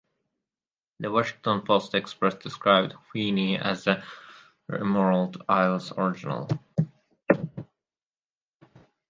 The Washington Post Express described Feeney as "The Emerald Isle's Original".